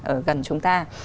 ở gần chúng ta